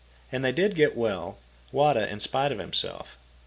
And they did get well, Wada in spite of himself.